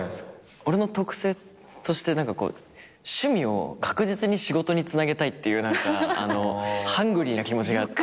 俺の特性として趣味を確実に仕事につなげたいっていうハングリーな気持ちがあって。